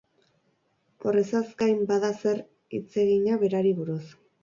Horrezaz gain bada zer hitzegina berari buruz.